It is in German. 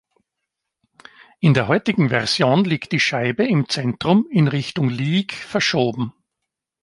In der heutigen Version liegt die Scheibe im Zentrum in Richtung Liek verschoben.